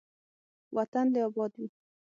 وطن دې اباد وي.